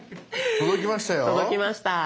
届きました。